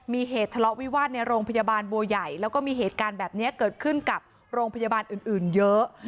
มีเหตุทะเลาะวิวาสในโรงพยาบาลบัวใหญ่แล้วก็มีเหตุการณ์แบบนี้เกิดขึ้นกับโรงพยาบาลอื่นเยอะ